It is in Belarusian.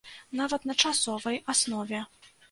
Нават на часовай аснове.